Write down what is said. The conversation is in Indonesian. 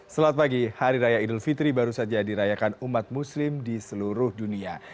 selamat pagi hari raya idul fitri baru saja dirayakan umat muslim di seluruh dunia